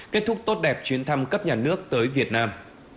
kết thúc tốt đẹp chuyến thăm cấp nhà nước tới việt nam